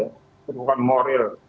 tidak ada dukungan moral